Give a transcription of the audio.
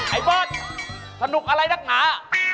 ไอ้บอสสนุกอะไรดักหมา